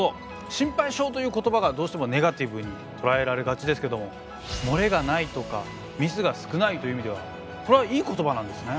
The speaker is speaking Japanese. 「心配性」という言葉がどうしてもネガティブにとらえられがちですけどももれがないとかミスが少ないという意味ではこれはいい言葉なんですね！